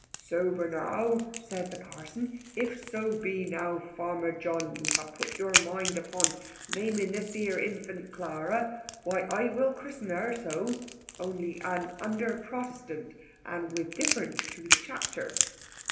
"Sober now," say the parson, "if so be now, farmer John, you have put your mind upon naming this here infant Clara, why I will christen her so, only an under Protestant, and with difference to the chapter."